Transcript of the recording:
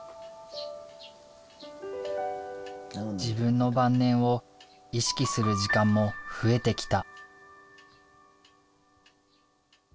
自分の晩年を意識する時間も増えてきた。